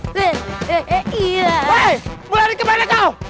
woi mulai dari kemana kau